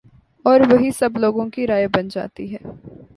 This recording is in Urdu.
اور وہی سب لوگوں کی رائے بن جاتی